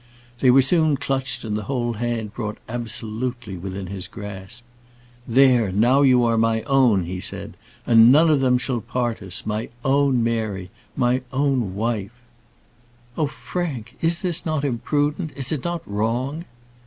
They were soon clutched, and the whole hand brought absolutely within his grasp. "There, now you are my own!" he said, "and none of them shall part us; my own Mary, my own wife." "Oh, Frank, is not this imprudent? Is it not wrong?"